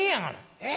「えっ？